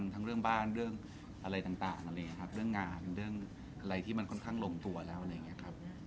ทั้งเรื่องบ้านเรื่องอะไรต่างอะไรอย่างนี้ครับเรื่องงานเรื่องอะไรที่มันค่อนข้างลงตัวแล้วอะไรอย่างนี้ครับ